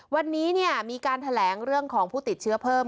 วันนี้มีการแถลงเรื่องของผู้ติดเชื้อเพิ่ม